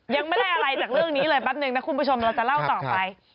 ยังไม่ได้อะไรจากเรื่องนี้เลยแป๊บนึงนะคุณผู้ชมเราจะเล่าต่อไป